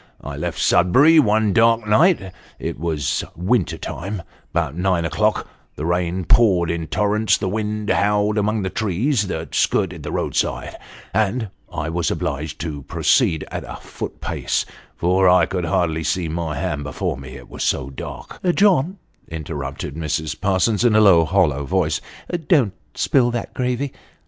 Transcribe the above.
I left Sudbury one dark night it was winter time about nine o'clock ; the rain poured in torrents, the wind howled among the trees that skirted the roadside, and I was obliged to proceed at a foot pace, for I could hardly see my hand before me, it was so dark "" John," interrrnpted Mrs. Parsons, in a low, hollow voice, " don't spill that gravy."